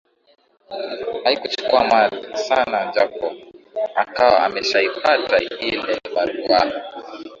Haikuchukua mud asana Jacob akawa ameshaipata ile barua